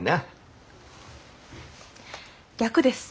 逆です。